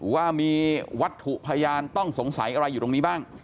ว่ามีวัตถุพยานต้องสงสัยอะไรอยู่ตรงนี้บ้าง